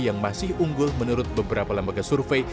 yang masih unggul menurut beberapa lembaga survei